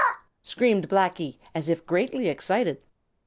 screamed Blacky, as if greatly excited.